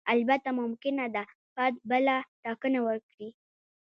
البته ممکنه ده فرد بله ټاکنه وکړي.